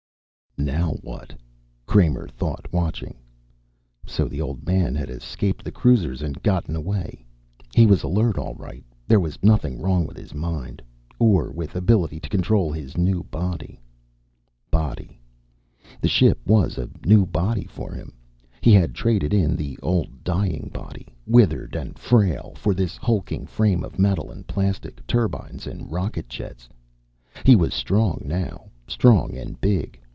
Now what? Kramer thought, watching. So the Old Man had escaped the cruisers and gotten away. He was alert, all right; there was nothing wrong with his mind. Or with his ability to control his new body. Body The ship was a new body for him. He had traded in the old dying body, withered and frail, for this hulking frame of metal and plastic, turbines and rocket jets. He was strong, now. Strong and big.